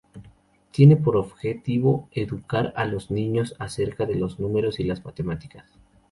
Tiene por objetivo educar a los niños acerca de los números y las matemáticas.